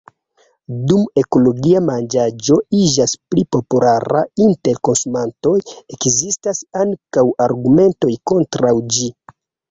Dum ekologia manĝaĵo iĝas pli populara inter konsumantoj, ekzistas ankaŭ argumentoj kontraŭ ĝi.